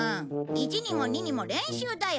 一にも二にも練習だよ。